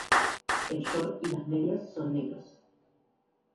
El short y las medias son negros.